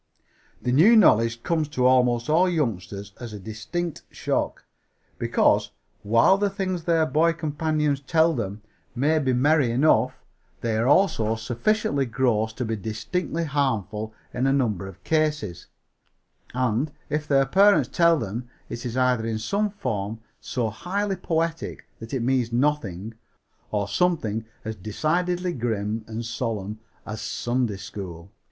The new knowledge comes to almost all youngsters as a distinct shock, because, while the things their boy companions tell them may be merry enough, they are also sufficiently gross to be distinctly harmful in a number of cases; and, if their parents tell them it is either in some form so highly poetic that it means nothing, or as something decidedly grim and solemn as Sunday School.